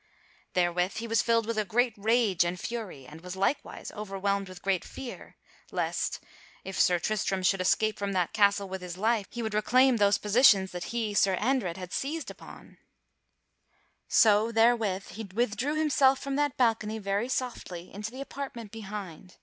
Therewith he was filled with a great rage and fury and was likewise overwhelmed with great fear lest, if Sir Tristram should escape from that castle with his life, he would reclaim those possessions that he, Sir Andred, had seized upon. [Sidenote: Sir Andres betrays Sir Tristram to King Mark] So therewith he withdrew himself from that balcony very softly, into the apartment behind.